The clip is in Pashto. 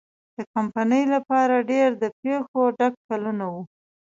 د کمپنۍ لپاره ډېر د پېښو ډک کلونه وو.